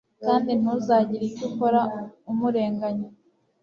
kandi ntuzagire icyo ukora umurenganya